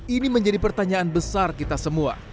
ini menjadi pertanyaan besar kita semua